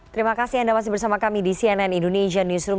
terima kasih anda masih bersama kami di cnn indonesia newsroom